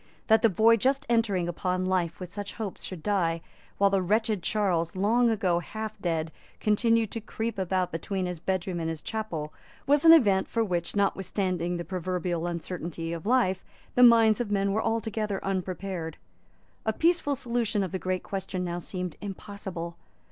That the boy just entering upon life with such hopes should die, while the wretched Charles, long ago half dead, continued to creep about between his bedroom and his chapel, was an event for which, notwithstanding the proverbial uncertainty of life, the minds of men were altogether unprepared. A peaceful solution of the great question now seemed impossible.